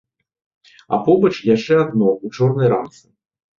А побач яшчэ адно, у чорнай рамцы.